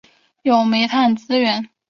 有煤炭资源。